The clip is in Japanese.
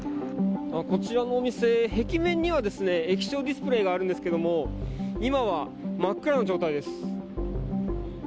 こちらのお店、壁面には液晶ディスプレーがあるんですけれども今は真っ暗な状態です。